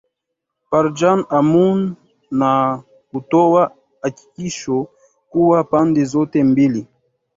parjan amoon na kutoa hakikisho kuwa pande zote mbili